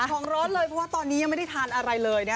ของร้อนเลยเพราะว่าตอนนี้ยังไม่ได้ทานอะไรเลยนะคะ